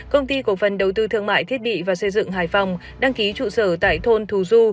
công ty cổ phần đầu tư thương mại thiết bị và xây dựng hải phòng đăng ký trụ sở tại thôn thù du